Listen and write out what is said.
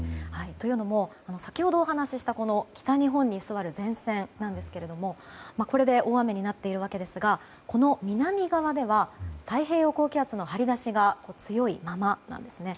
というのも、先ほどお話しした北日本に居座る前線ですが、これで大雨になっているわけですがこの南側では太平洋高気圧の張り出しが強いままなんですね。